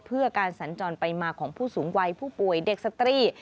เพื่อการสัญจรไปมาของผู้สูงวัยผู้ป่วยเด็กสตรี